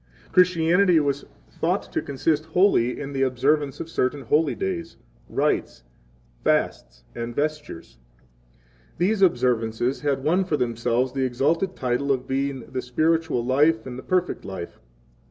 Christianity was thought to consist wholly in the observance of certain holy days, rites, fasts, and vestures. These 9 observances had won for themselves the exalted title of being the spiritual life and the perfect life.